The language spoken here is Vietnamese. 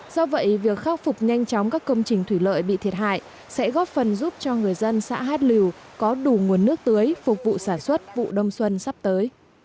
do vậy việc khắc phục nhanh chóng các công trình thủy lợi bị thiệt hại sẽ góp phần giúp cho người dân xã hát liều có đủ nguồn nước tưới phục vụ sản xuất vụ đông xuân sắp tới